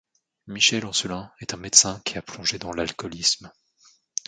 Michel Ancelin est un médecin qui a plongé dans l'alcoolisme.